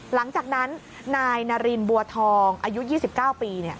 หลังจากนั้นนายนารินบัวทองอายุ๒๙ปี